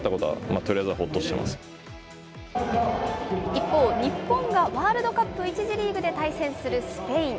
一方、日本がワールドカップ１次リーグで対戦するスペイン。